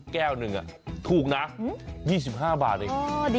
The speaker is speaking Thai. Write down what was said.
แก้วนึงถูกนะ๒๕บาท